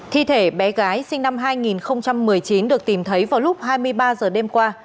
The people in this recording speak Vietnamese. thi thể bé gái sinh năm hai nghìn một mươi chín được tìm thấy vào lúc hai mươi ba h đêm qua